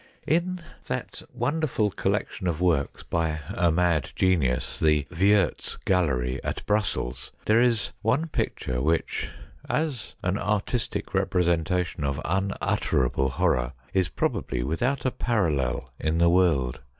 In that wonderful collection of works by a mad genius, the Wiertz Gallery at Brussels, there is one picture which, as an artistic representation of unutterable horror, is probably without a parallel in the world.